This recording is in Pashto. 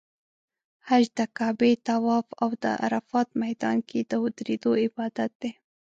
حج د کعبې طواف او د عرفات میدان کې د ودریدو عبادت دی.